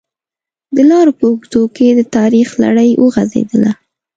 د لارې په اوږدو کې د تاریخ لړۍ وغزېدله.